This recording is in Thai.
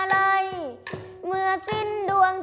ธรรมดาธรรมดา